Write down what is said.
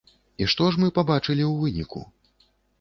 І што ж мы пабачылі ў выніку?